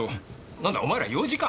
なんだお前ら用事か？